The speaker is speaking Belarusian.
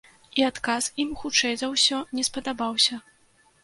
І адказ ім, хутчэй за ўсё, не спадабаўся.